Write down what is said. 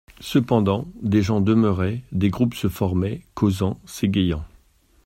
Cependant, des gens demeuraient, des groupes se formaient, causant, s'égayant.